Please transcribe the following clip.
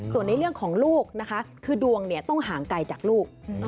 ส่วนในเรื่องของลูกนะคะคือดวงเนี่ยต้องห่างไกลจากลูก